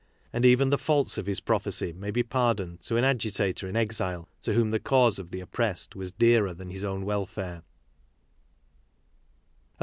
And even the faults of his prophecy may be pardoned to an agitator in exile to whom the cause of the oppressed was dearer than his own welfare.